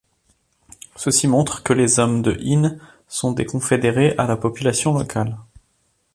Ceci montre que les hommes de Hines sont des confédérés à la population locale.